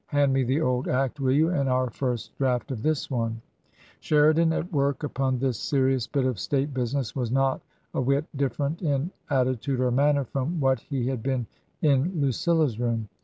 Hand me the old Act, will you, and our first draft of this one ?" Sheridan at work upon this serious bit of state busi ness was not a whit different in attitude or manner from what he had been in Lucilla's room.